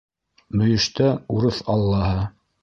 Мөйөштә урыҫ аллаһы.